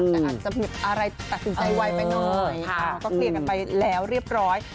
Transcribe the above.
แต่อาจจะมีอะไรตัดสินใจไวไปหน่อยก็เคลียร์กันไปแล้วเรียบร้อย